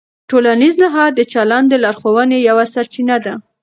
ټولنیز نهاد د چلند د لارښوونې یوه سرچینه ده.